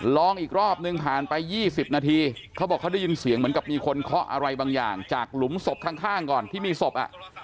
ลองอีกรอบนึงผ่านไป๒๐นาทีเขาบอกเขาได้ยินเสียงเหมือนกับมีคนเคาะอะไรบางอย่างจากหลุมศพข้างก่อนที่มีศพ